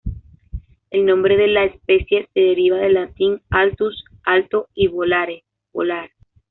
El nombre de la especie se deriva del latín "altus", "alto", y "volare", "volar".